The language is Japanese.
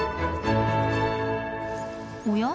おや？